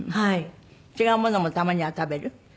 違うものもたまには食べる？